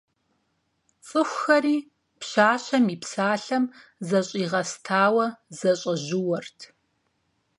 ЦӀыхухэри пщащэм и псалъэм зэщӀигъэстауэ, зэщӀэжьууэрт.